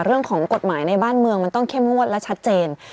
เรื่องของกฎหมายในบ้านเมืองมันต้องเข้มงวดและชัดเจน